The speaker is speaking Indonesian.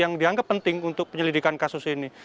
yang dianggap penting untuk penyelidikan kasus ini